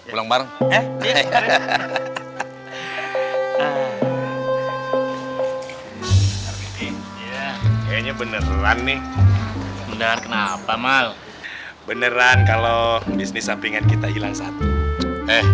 iya kayaknya beneran nih bener kenapa mal beneran kalau bisnis apingan kita hilang satu eh